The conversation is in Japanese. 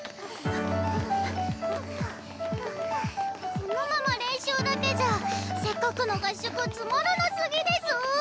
このまま練習だけじゃせっかくの合宿つまらなすぎです！